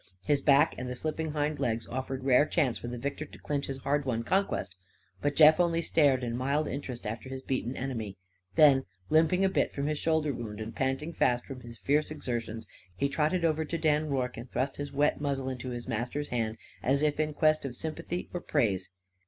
His back and the slipping hind legs offered rare chance for the victor to clinch his hard won conquest. But Jeff only stared in mild interest after his beaten enemy. Then, limping a bit from his shoulder wound and panting fast from his fierce exertions, he trotted over to Dan Rorke and thrust his wet muzzle into his master's hand as if in quest of sympathy or praise.